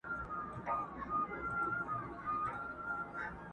د نیکه او د بابا په کیسو پايي!!